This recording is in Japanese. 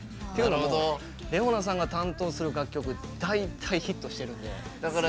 っていうのもＲｅｏＮａさんが担当する楽曲、大体ヒットしてるんで。